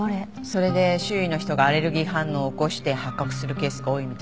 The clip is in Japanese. それで周囲の人がアレルギー反応を起こして発覚するケースが多いみたい。